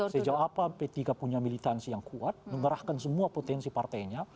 sejauh apa p tiga punya militansi yang kuat mengerahkan semua potensi partainya